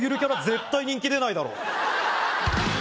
絶対人気出ないだろ